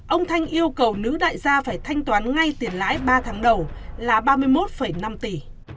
ông thanh yêu cầu nữ đại gia phải thanh toán ngay tiền lãi ba tháng đầu là ba mươi một năm tỷ